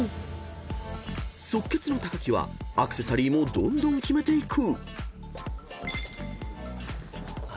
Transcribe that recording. ［即決の木はアクセサリーもどんどんキメていく］